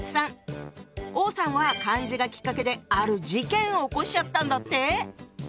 王さんは漢字がきっかけである事件を起こしちゃったんだって。